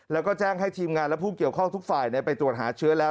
แล้วก็แจ้งให้ทีมงานและผู้เกี่ยวข้องทุกฝ่ายไปตรวจหาเชื้อแล้ว